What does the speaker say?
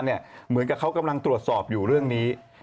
เหมือนกับเขากำลังตรวจสอบอยู่เรื่องนี้